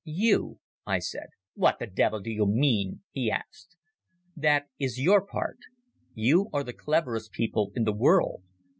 "You," I said. "What the devil do you mean?" he asked. "That is your part. You are the cleverest people in the world.